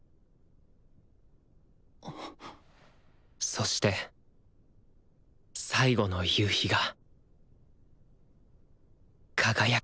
そして最後の夕日が輝く